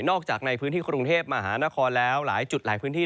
จากในพื้นที่กรุงเทพมหานครแล้วหลายจุดหลายพื้นที่